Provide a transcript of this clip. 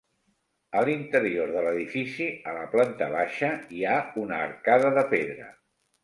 A l'interior de l'edifici, a la planta baixa, hi ha una arcada de pedra.